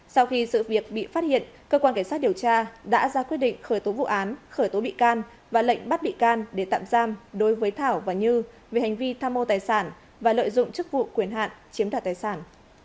sau khi sự việc bị phát hiện cơ quan cảnh sát điều tra đã ra quyết định khởi tố vụ án khởi tố bị can và lệnh bắt bị can để tạm giam đối với thảo và như về hành vi tham mô tài sản và lợi dụng chức vụ quyền hạn chiếm đoạt tài sản